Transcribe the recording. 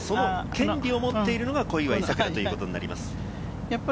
その権利を持ってるのが小祝さくらということになります。